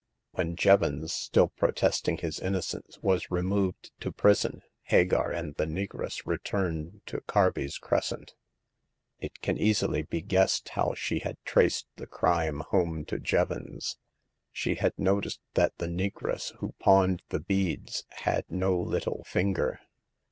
When Jevons, still protesting his innocence, was removed to prison, Hagar and the negress returned to Carby*s Crescent. It can easily be guessed how she had traced the crime home to Jevons. She had noticed that the negress who pawned the beads had no little finger.